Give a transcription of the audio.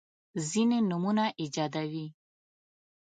ځیني نومونه ایجادوي.